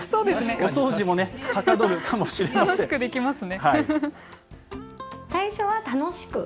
お掃除もはかどるかもしれません。